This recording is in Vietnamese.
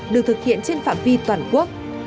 được thực hiện trên phạm vi toàn quốc